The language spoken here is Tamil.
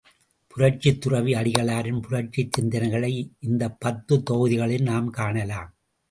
புரட்சித்துறவி அடிகளாரின் புரட்சிச் சிந்தனைகளை இந்த பத்து தொகுதிகளிலும் நாம் காணலாம்.